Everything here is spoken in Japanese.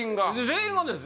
全員がです